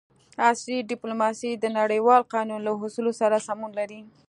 عصري ډیپلوماسي د نړیوال قانون له اصولو سره سمون لري